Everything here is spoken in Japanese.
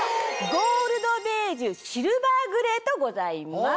ゴールドベージュシルバーグレーとございます。